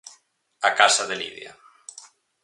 "Á casa de Lidia"."